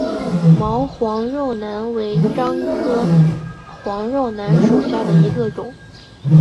毛黄肉楠为樟科黄肉楠属下的一个种。